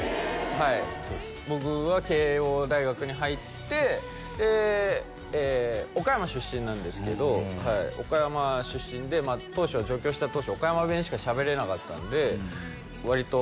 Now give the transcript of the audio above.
はい僕は慶應大学に入ってで岡山出身なんですけど岡山出身でまあ当初は上京した当初は岡山弁しかしゃべれなかったんで割と